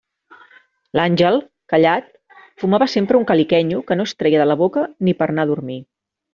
L'Àngel, callat, fumava sempre un caliquenyo que no es treia de la boca ni per a anar a dormir.